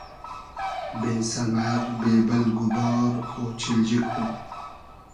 بې سئمئر بې بئلگ و بار اۉچیلجی کو